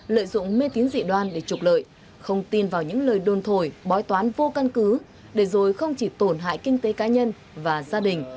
lợi dụng mê tín dị đoan để trục lợi không tin vào những lời đồn thổi bói toán vô căn cứ để rồi không chỉ tổn hại kinh tế cá nhân và gia đình